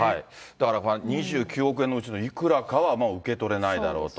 だから、２９億円のうちのいくらかは受け取れないだろうと。